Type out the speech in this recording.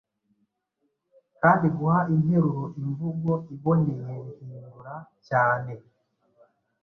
kandiguha interuro imvugo iboneyebihindura cyane